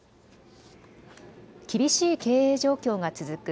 厳しい経営状況が続く